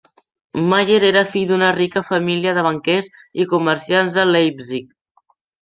Mayer era fill d'una rica família de banquers i comerciants de Leipzig.